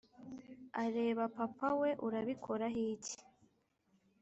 areba papa we urabikoraho iki